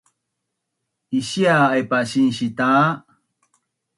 Isia aipa sinsi ta